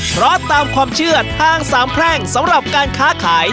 เพราะตามความเชื่อทางสามแพร่งสำหรับการค้าขาย